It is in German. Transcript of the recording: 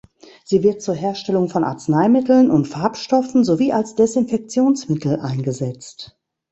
Sie wird zur Herstellung von Arzneimitteln und Farbstoffen sowie als Desinfektionsmittel eingesetzt.